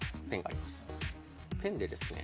ペンでですね